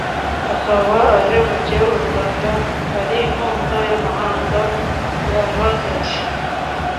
akaba aje mu gihe u Rwanda hari inkunga z’amahanga zahagaze